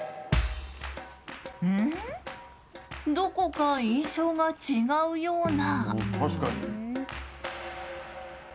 どこか印象が違うような。